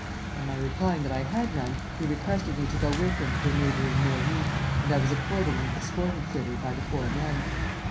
On my replying that I had none, he requested me to go with him to a neighboring mairie, and I was accordingly escorted thither by the four men.